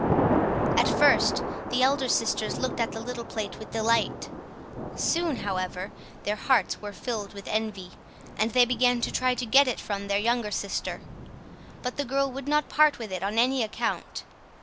At first the elder sisters looked at the little plate with delight; soon, however, their hearts were filled with envy, and they began to try to get it from their younger sister. But the girl would not part with it on any account.